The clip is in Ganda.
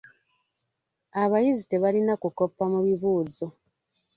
Abayizi tebalina kukoppa mu bibuuzo.